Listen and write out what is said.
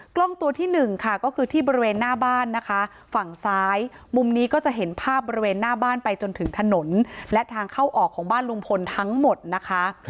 กล้องตัวที่หนึ่งค่ะก็คือที่บริเวณหน้าบ้านนะคะฝั่งซ้ายมุมนี้ก็จะเห็นภาพบริเวณหน้าบ้านไปจนถึงถนนและทางเข้าออกของบ้านลุงพลทั้งหมดนะคะ